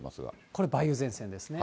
これ梅雨前線ですね。